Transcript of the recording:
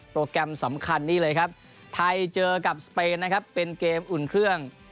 แกรมสำคัญนี่เลยครับไทยเจอกับสเปนนะครับเป็นเกมอุ่นเครื่อง